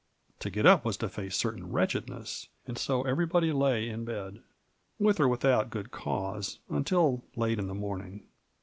To get up was to face certain wretchedness ; and so everybody lay in bed, witb or without good cause, until late in the morning.